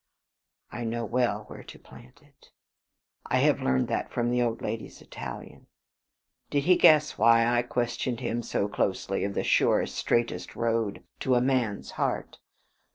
I know well where to plant it; I have learned that from the old lady's Italian. Did he guess why I questioned him so closely of the surest, straightest road to a man's heart?